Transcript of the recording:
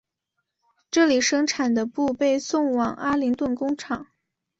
这里生产的布被送往阿灵顿工厂。